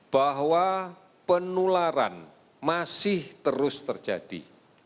bahwa penularan masih terus terjadi